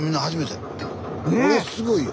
これすごいよ。